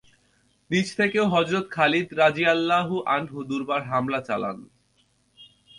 নিচ থেকেও হযরত খালিদ রাযিয়াল্লাহু আনহু দুর্বার হামলা চালান।